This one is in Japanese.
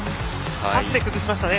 パスで崩しましたね。